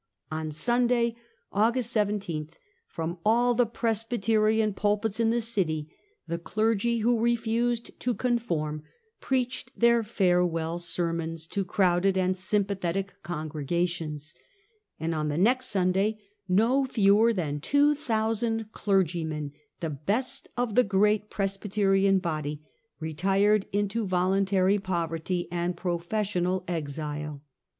On Sunday, August 17, from S s ~olo all the Presbyterian pulpits in the city, the mew's Day. clergy who refused to conform preached their farewell sermons to crowded and sympathetic congrega tions ; and on the next Sunday no fewer than 2,000 clergy men, the best of the great Presbyterian body, retired into voluntary poverty and professional exile.